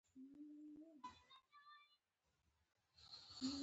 موږ باید د نورو سره په مینه او درناوي چلند وکړو